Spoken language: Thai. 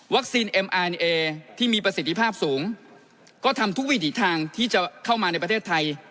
เอ็มอานีเอที่มีประสิทธิภาพสูงก็ทำทุกวิถีทางที่จะเข้ามาในประเทศไทย